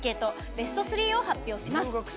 ベスト３を発表します。